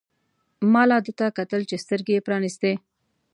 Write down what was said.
ما لا ده ته کتل چې سترګې يې پرانیستې.